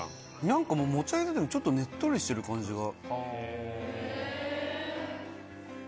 何かもう持ち上げててもちょっとねっとりしてる感じが。